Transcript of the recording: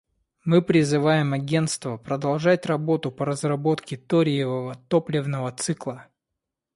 Мы призываем Агентство продолжать работу по разработке ториевого топливного цикла.